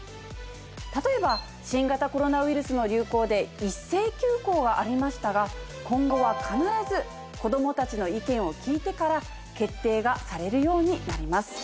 例えば新型コロナウイルスの流行で一斉休校がありましたが今後は必ず子供たちの意見を聞いてから決定がされるようになります。